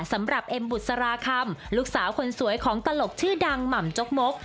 เอ็มบุษราคำลูกสาวคนสวยของตลกชื่อดังหม่ำจกมก